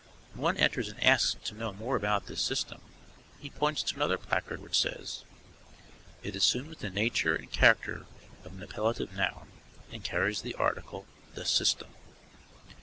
When one enters and asks to know more about this system, he points to another placard, which says: It assumes the nature and character of an appellative noun, and carries the article The System.